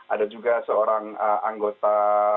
ada juga seorang anggota